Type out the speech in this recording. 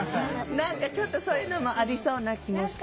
何かそういうのもありそうな気もした。